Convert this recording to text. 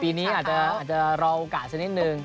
ปีนี้อาจจะรอโอกาสสักนิดนึง